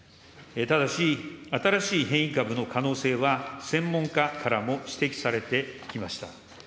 ただし、新しい変異株の可能性は、専門家からも指摘されてきました。